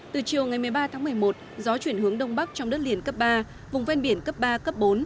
từ chiều ngày một mươi ba tháng một mươi một gió chuyển hướng đông bắc trong đất liền cấp ba vùng ven biển cấp ba cấp bốn